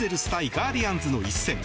ガーディアンズの一戦。